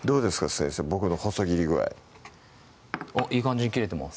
先生僕の細切り具合いい感じに切れてます